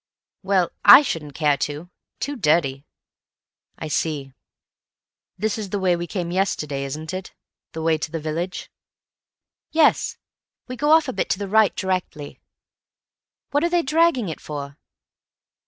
"Well, I shouldn't care to. Too dirty." "I see.... This is the way we came yesterday, isn't it? The way to the village?" "Yes. We go off a bit to the right directly. What are they dragging it for?"